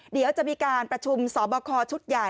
เดี๋ยวจะมีการประชุมสอบคอชุดใหญ่